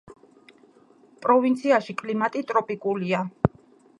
პროვინციაში კლიმატი ტროპიკულია.